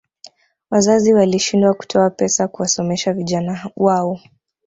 wazazi walishindwa kutoa pesa kuwasomesha vijana wao